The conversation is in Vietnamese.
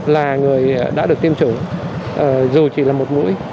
là người đã được tiêm chủng dù chỉ là một mũi